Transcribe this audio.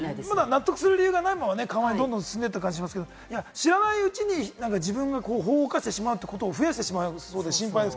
納得する理由がないまま緩和に進んでいたと思いますけれども、知らないうちに自分が法を犯してしまうことを増やしてしまいそうで心配です。